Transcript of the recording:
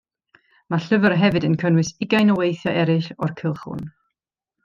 Mae'r llyfr hefyd yn cynnwys ugain o weithiau eraill o'r cylch hwn.